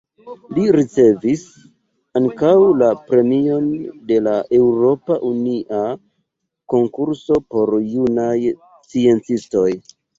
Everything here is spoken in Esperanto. Li ricevis ankaŭ la Premion de la Eŭropa Unia Konkurso por Junaj Sciencistoj.